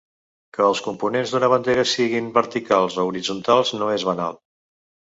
Que els components d’una bandera siguin verticals o horitzontals no és banal.